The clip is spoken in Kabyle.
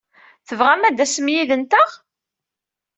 Tebɣam ad d-tasem yid-nteɣ?